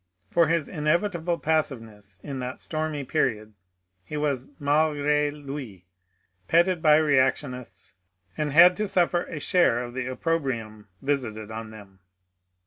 For his inevitable passiveness in that stormy period he v^as maigri lui petted by reactionists, and had to suffer a share of the oppro brium visited on them.